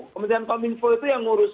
kementerian kominfo itu yang ngurus